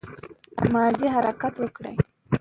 مازې حرکت وکړٸ